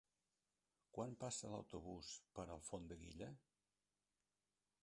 Quan passa l'autobús per Alfondeguilla?